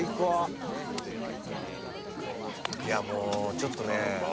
もうちょっとね